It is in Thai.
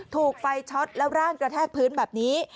ถูกไฟช็อตแล้วร่างกระแทกพื้นแบบนี้